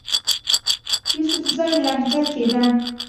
يوسفزئ لهجه کښې ده